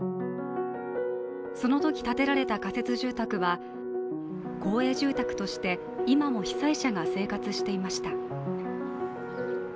そのとき建てられた仮設住宅は公営住宅として今も被災者が生活していました。